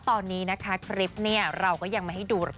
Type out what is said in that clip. ตอนนี้นะคะคลิปเนี่ยเราก็ยังไม่ให้ดู